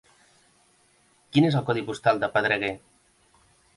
Quin és el codi postal de Pedreguer?